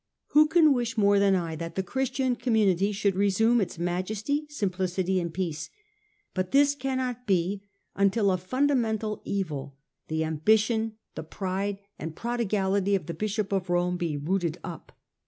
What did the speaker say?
Who can wish more than I that the Christian community should resume its majesty, simplicity and peace ; but this cannot be, until the fundamental evil, the ambition, the pride and prodigality of the Bishop of Rome be rooted up.